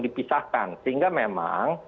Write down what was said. dipisahkan sehingga memang